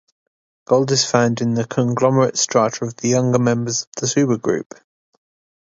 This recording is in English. Gold is found in the conglomerate strata of the younger members of the Supergroup.